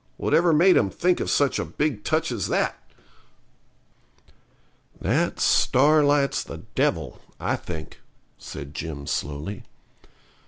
Whatever made 'em think of such a big touch as that?' 'That Starlight's the devil, I think,' said Jim slowly.